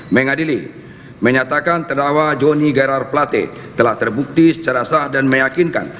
mengadili menyatakan terdakwa joni garar plate telah terbukti secara sah dan meyakinkan